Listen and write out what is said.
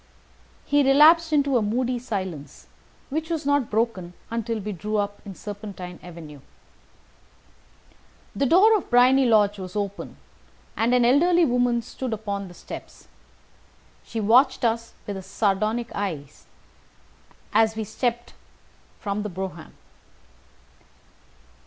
He relapsed into a moody silence, which was not broken until we drew up in Serpentine Avenue. The door of Briony Lodge was open, and an elderly woman stood upon the steps. She watched us with a sardonic eye as we stepped from the brougham.